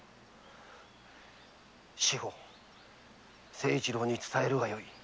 誠一郎に伝えるがよい。